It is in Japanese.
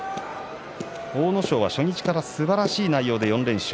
阿武咲は初日からすばらしい内容で４連勝。